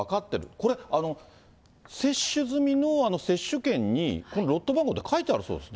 これ、接種済みの接種券に、このロット番号って書いてあるそうですね。